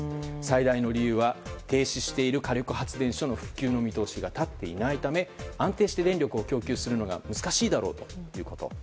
最大の理由は停止している火力発電所の復旧の見通しが立っていないため安定して電力を供給するのは難しいだろうということ。